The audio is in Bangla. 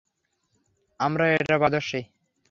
আমরা এটায় পারদর্শী।